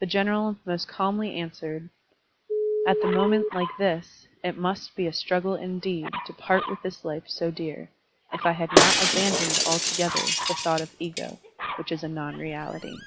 The general most calmly answered : *'At the moment like this It must be a struggle indeed To part with this Ufe so dear, If I had not abandoned altogether The thought of ego, which is a non reahty.